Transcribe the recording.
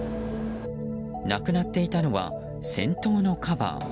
なくなっていたのは先頭のカバー。